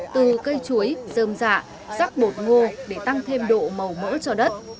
từ cây chuối dơm dạ rắc bột ngô để tăng thêm độ màu mỡ cho đất